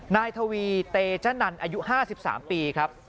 นายทวีเตจนันอายุ๕๓ปีครับ